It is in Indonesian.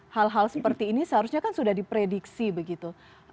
hal hal seperti ini seharusnya kan sudah diprediksi begitu